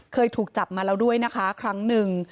เคยถูกจับมาแล้วด้วยนะคะครั้งหนึ่ง